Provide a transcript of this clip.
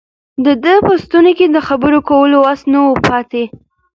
د ده په ستوني کې د خبرو کولو وس نه و پاتې.